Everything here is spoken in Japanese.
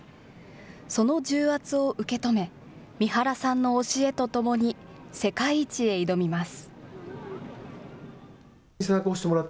その重圧を受け止め、三原さんの教えとともに、世界一へ挑みます。